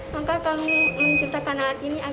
maka kami menciptakan alat ini adalah